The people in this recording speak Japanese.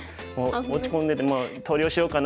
落ち込んでて「もう投了しようかな？